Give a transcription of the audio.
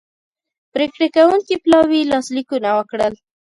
پریکړې کوونکي پلاوي لاسلیکونه وکړل